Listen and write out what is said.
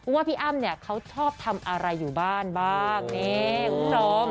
ว่าพี่อ้ำเนี่ยเขาชอบทำอะไรอยู่บ้านบ้างนี่คุณผู้ชม